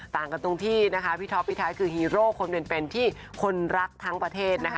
ต่างกันตรงที่นะคะพี่ท็อปพี่ไทยคือฮีโร่คนเป็นที่คนรักทั้งประเทศนะคะ